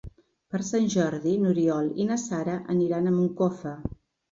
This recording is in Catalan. Per Sant Jordi n'Oriol i na Sara aniran a Moncofa.